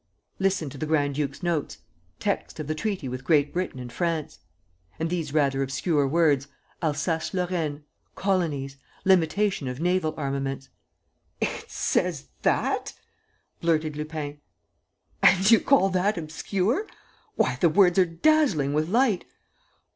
"Listen to the grand duke's notes: Text of the treaty with Great Britain and France. And these rather obscure words: 'Alsace Lorraine. ... Colonies. ... Limitation of naval armaments. ..." "It says that?" blurted Lupin. "And you call that obscure? ... Why, the words are dazzling with light!